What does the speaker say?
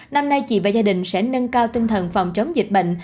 năm nay chị và gia đình sẽ nâng cao tinh thần phòng chống dịch bệnh